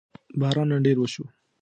باران نن ډېر وشو